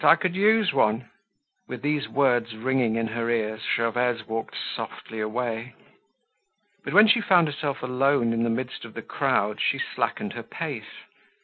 I could use one." With these words ringing in her ears, Gervaise walked softly away. But when she found herself alone in the midst of the crowd, she slackened her pace.